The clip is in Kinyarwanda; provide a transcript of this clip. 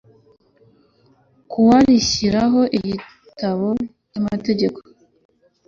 kuwa rishyiraho Igitabo cy Amategeko